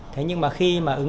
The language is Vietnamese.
thế nhưng mà khi mà ứng dụng